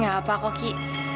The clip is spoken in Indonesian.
nggak apa koki